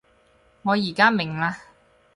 我而家明喇